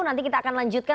nanti kita akan lanjutkan